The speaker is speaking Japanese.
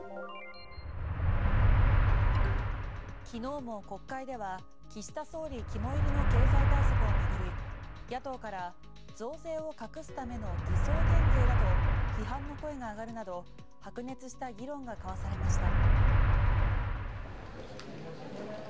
昨日も国会では岸田総理肝煎りの経済対策を巡り野党から増税を隠すための偽装減税だと批判の声が上がるなど白熱した議論が交わされました。